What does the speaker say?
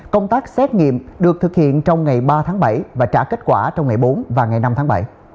công tác xét nghiệm được thực hiện trong ngày ba tháng bảy và trả kết quả trong ngày bốn và ngày năm tháng bảy